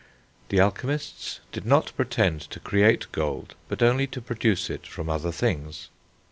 The alchemists did not pretend to create gold, but only to produce it from other things.